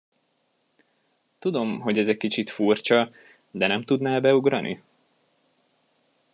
Tudom, hogy ez egy kicsit furcsa, de nem tudnál beugrani?